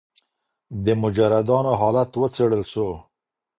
د مجردانو حالت وڅیړل سو.